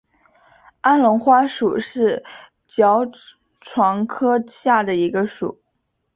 安龙花属是爵床科下的一个属。